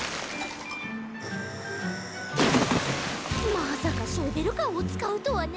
まさかショベルカーをつかうとはね。